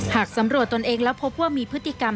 หากสำรวจตนเองแล้วพบว่ามีพฤติกรรม